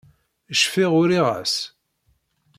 Cfiɣ uriɣ-as.